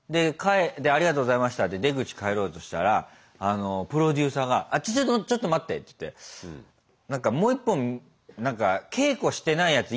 でありがとうございましたって出口帰ろうとしたらプロデューサーがちょっと待ってちょっと待ってっつって何かもう一本何か稽古してないやつ